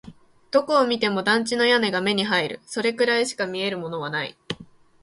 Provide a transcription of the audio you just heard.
どこを見ても団地の屋根が目に入る。それくらいしか見えるものはない。